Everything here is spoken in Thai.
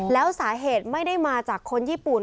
แล้วสาเหตุไม่ได้มาจากคนญี่ปุ่น